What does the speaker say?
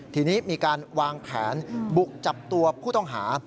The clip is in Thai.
ทีนี้มีการวางแผนบุกจับตัวผู้ต้องหา